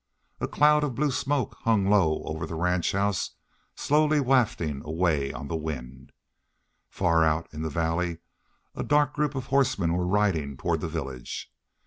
A cloud of blue smoke hung low over the ranch house, slowly wafting away on the wind. Far out in the valley a dark group of horsemen were riding toward the village.